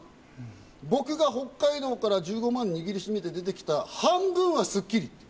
僕が北海道から１５万を握りしめて出てきた半分は『スッキリ』。